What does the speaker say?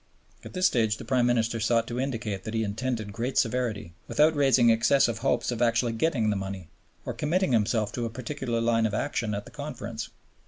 At this stage the Prime Minister sought to indicate that he intended great severity, without raising excessive hopes of actually getting the money, or committing himself to a particular line of action at the Conference.